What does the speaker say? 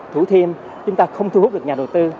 thủ thêm chúng ta không thu hút được nhà đầu tư